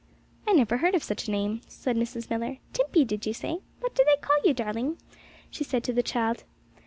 'I never heard of such a name,' said Mrs. Millar. 'Timpey, did you say? What do they call you, darling?' she said to the child.